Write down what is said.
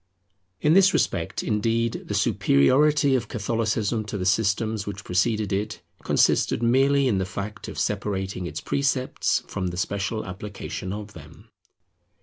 In this respect, indeed, the superiority of Catholicism to the systems which preceded it, consisted merely in the fact of separating its precepts from the special application of them.